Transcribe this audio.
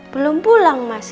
belum pulang mas